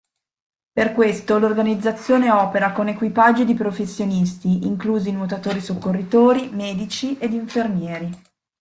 Per questo l'organizzazione opera con equipaggi di professionisti, inclusi nuotatori soccorritori, medici ed infermieri.